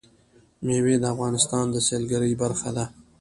مېوې د افغانستان د سیلګرۍ برخه ده.